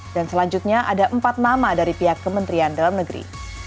selanjutnya ada empat nama dari pihak kementerian dalam negeri